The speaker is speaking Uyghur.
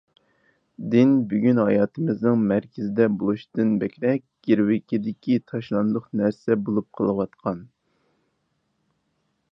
دىن بۈگۈن ھاياتىمىزنىڭ مەركىزىدە بولۇشتىن بەكرەك گىرۋىكىدىكى تاشلاندۇق نەرسە بولۇپ قېلىۋاتقان.